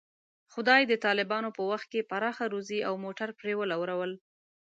خدای په طالبانو په وخت کې پراخه روزي او موټر پرې ولورول.